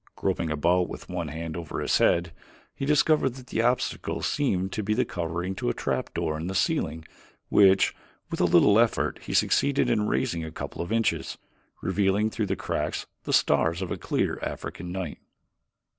Groping about with one hand over his head he discovered that the obstacle seemed to be the covering to a trap door in the ceiling which, with a little effort, he succeeded in raising a couple of inches, revealing through the cracks the stars of a clear African night.